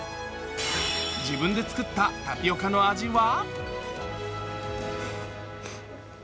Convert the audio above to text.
自分で作ったタピオカの味は？